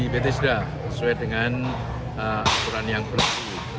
di pt sda sesuai dengan akuran yang berlaku